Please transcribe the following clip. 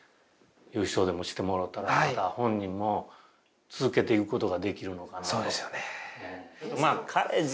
優勝でもしてもろたらまた本人も続けていくことができるのかなとそうですよね